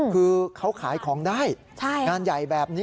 คือเขาขายของได้งานใหญ่แบบนี้